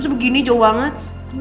terus begini jauh banget